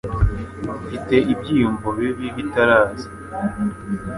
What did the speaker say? Mfite ibyiyumvo bibi bitaraza.